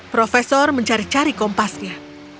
profesor mencari cari kompasnya